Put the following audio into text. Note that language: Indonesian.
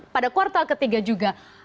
pada kuartal ketiga juga